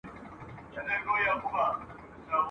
زندانونه به ماتيږي !.